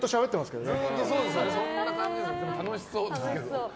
楽しそうですけど。